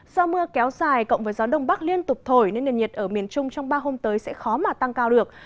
do mưa kéo dài cộng với gió đông bắc liên tục thổi nên nền nhiệt ở miền trung trong ba hôm tới sẽ khó mà tăng cao được